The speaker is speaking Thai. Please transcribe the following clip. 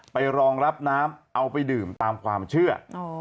รองรับน้ำเอาไปดื่มตามความเชื่อ